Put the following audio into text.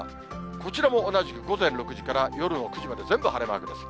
こちらも同じく午前６時から夜の９時まで全部晴れマークです。